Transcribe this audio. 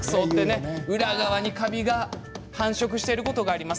裏側にカビが繁殖していることがあります。